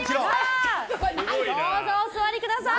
どうぞお座りください！